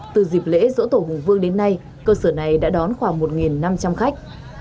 từ dịp lễ dỗ tổ hùng vương đến nay cơ sở này đã đón khoảng một năm trăm linh khách